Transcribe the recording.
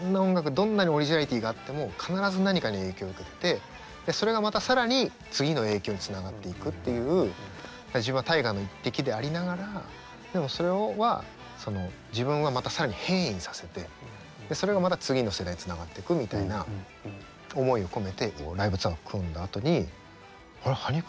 どんなにオリジナリティーがあっても必ず何かに影響を受けててそれがまた更に次の影響につながっていくっていう自分は大河の一滴でありながらでもそれは自分はまた更に変異させてそれがまた次の世代につながっていくみたいな思いを込めてライブツアーを組んだあとにあれ羽生君